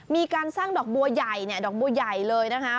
มีการสร้างดอกบัวใหญ่เนี่ยดอกบัวใหญ่เลยนะคะ